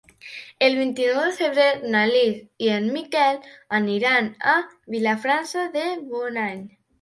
El vint-i-nou de febrer na Lis i en Miquel aniran a Vilafranca de Bonany.